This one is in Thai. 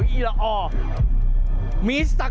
ไอ้หมา